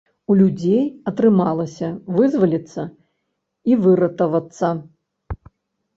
У людзей атрымалася вызваліцца і выратавацца.